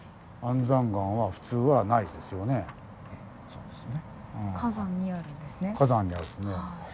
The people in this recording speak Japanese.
そうですね。